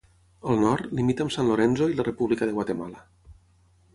Al nord, limita amb San Lorenzo i la República de Guatemala.